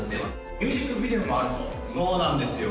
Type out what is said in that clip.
ミュージックビデオもあるとそうなんですよ